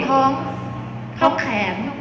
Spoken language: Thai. ท้องมือค่ะ